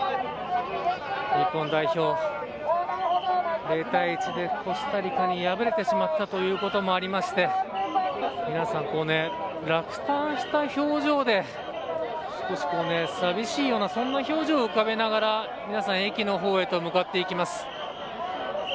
日本代表０対１でコスタリカに敗れてしまったということもありまして皆さん、落胆した表情で少し寂しいようなそんな表情を浮かべながら皆さん、駅の方へと向かっていきます。